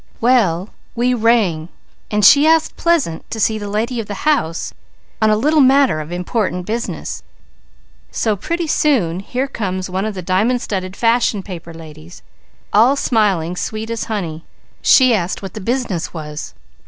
"Well, we rang and she asked pleasant to see the lady of the house on a little matter of important business, so pretty soon here comes one of the dimun studded, fashion paper ladies, all smiling sweet as honey, and asked what the business was.